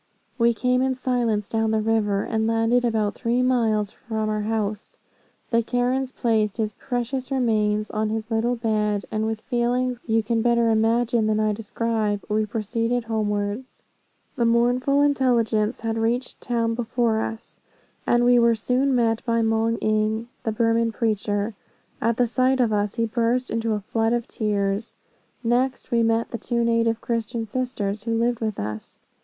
"We came in silence down the river, and landed about three miles from our house. The Karens placed his precious remains on his little bed, and with feelings which you can better imagine than I describe, we proceeded homewards. The mournful intelligence had reached town before us, and we were soon met by Moung Ing, the Burman preacher. At the sight of us he burst into a flood of tears. Next, we met the two native Christian sisters, who lived with us.